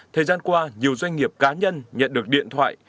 thời gian qua nhiều doanh nghiệp cá nhân nhận được điện thoại